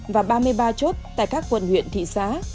và ba mươi ba chốt tại các quận huyện thị xã